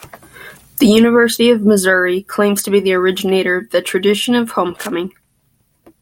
The University of Missouri claims to be the originator of the tradition of homecoming.